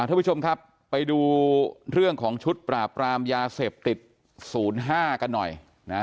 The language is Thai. ทุกผู้ชมครับไปดูเรื่องของชุดปราบรามยาเสพติด๐๕กันหน่อยนะ